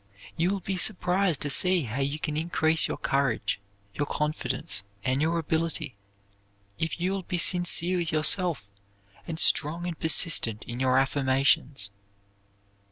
You will be surprised to see how you can increase your courage, your confidence, and your ability, if you will be sincere with yourself and strong and persistent in your affirmations.